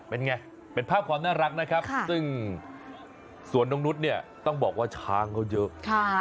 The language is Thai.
เป็นไงเป็นภาพความน่ารักนะครับซึ่งสวนนกนุษย์เนี่ยต้องบอกว่าช้างเขาเยอะ